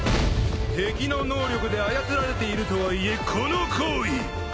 敵の能力で操られているとはいえこの行為。